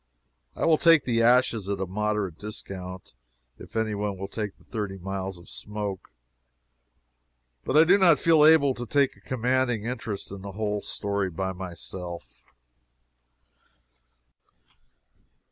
I will take the ashes at a moderate discount, if any one will take the thirty miles of smoke, but I do not feel able to take a commanding interest in the whole story by myself.